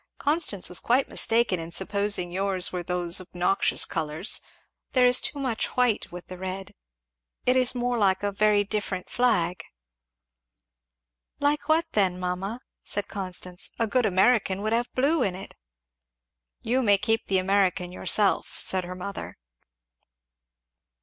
Constance was quite mistaken in supposing yours were those obnoxious colours there is too much white with the red it is more like a very different flag." "Like what then, mamma?" said Constance; "a good American would have blue in it." "You may keep the American yourself," said her mother.